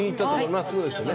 真っすぐですよね。